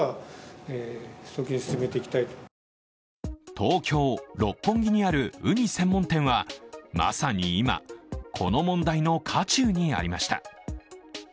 東京・六本木にあるウニ専門店は、まさに今この問題の渦中にありました。